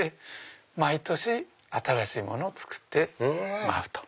毎年新しいものを作って舞う。